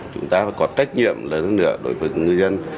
chúng ta phải có trách nhiệm lớn hơn nữa đối với người dân